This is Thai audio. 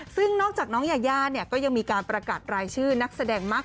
ซึ่งนอกจากน้องยายาเนี่ยก็ยังมีการประกาศรายชื่อนักแสดงมาก